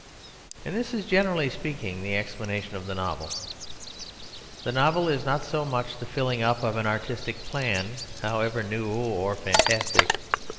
And this is, generally speaking, the explanation of the novel. The novel is not so much the filling up of an artistic plan, however new or fantastic.